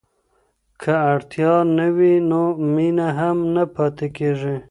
که اړتیا نه وي نو مینه هم نه پاتې کیږي.